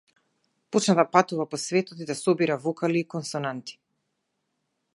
Почна да патува по светот и да собира вокали и консонанти.